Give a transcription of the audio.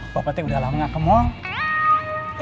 bapak petik udah lama gak ke mall